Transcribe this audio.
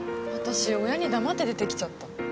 私親に黙って出て来ちゃった。